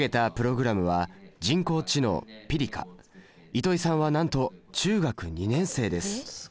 糸井さんはなんと中学２年生です。